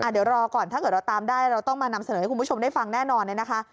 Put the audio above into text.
เดี๋ยวรอก่อนถ้าเกิดเราตามได้เราต้องมานำเสนอให้คุณผู้ชมได้ฟังแน่นอนเลยนะคะ